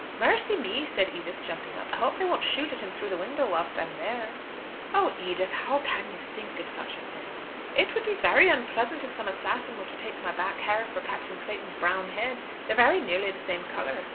"Mercy me!" said Edith jumping up, "I hope they won't shoot at him through the window whilst I am there." "Oh! Edith, how can you think of such a thing?" "It would be very unpleasant if some assassin were to take my back hair for Captain Clayton's brown head. They're very nearly the same colour."